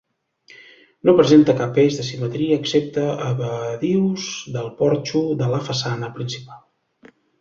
No presenta cap eix de simetria excepte als badius del porxo de la façana principal.